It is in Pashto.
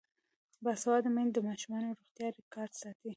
باسواده میندې د ماشومانو روغتیايي ریکارډ ساتي.